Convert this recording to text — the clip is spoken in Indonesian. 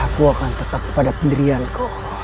aku akan tetap pada pendirian kau